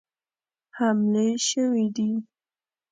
حملې سوي دي.